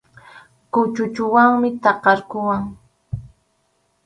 Kuchuchunwanmi takarquwan.